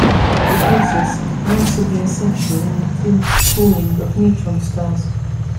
The process can also be essential in the cooling of neutron stars.